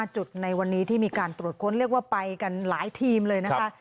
จุดในวันนี้ที่มีการตรวจค้นเรียกว่าไปกันหลายทีมเลยนะคะ